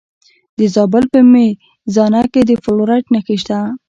د زابل په میزانه کې د فلورایټ نښې شته.